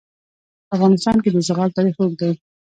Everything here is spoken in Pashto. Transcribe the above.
په افغانستان کې د زغال تاریخ اوږد دی.